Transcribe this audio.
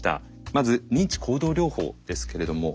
まず認知行動療法ですけれども。